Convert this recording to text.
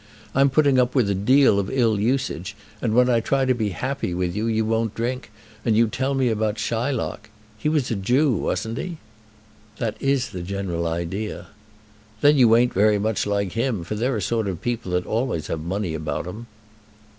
I'm putting up with a deal of ill usage, and when I try to be happy with you, you won't drink, and you tell me about Shylock. He was a Jew, wasn't he?" "That is the general idea." "Then you ain't very much like him, for they're a sort of people that always have money about 'em."